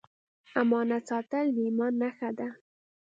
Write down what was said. امانت ساتل د ایمان نښه ده.